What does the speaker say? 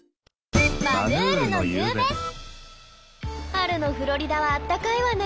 春のフロリダはあったかいわね。